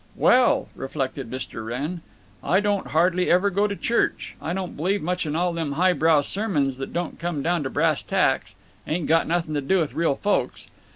"Well," reflected Mr. Wrenn, "I don't hardly ever go to church. I don't believe much in all them highbrow sermons that don't come down to brass tacks—ain't got nothing to do with real folks.